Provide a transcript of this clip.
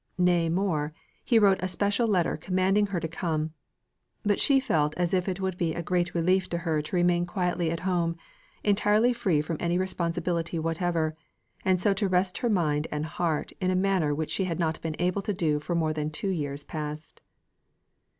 Nay more, he wrote a special letter commanding her to come; but she felt as if it would be a greater relief to her to remain quietly at home, entirely free from any responsibility whatever, and so to rest her mind and heart in a manner which she had not been able to do for more than two years past.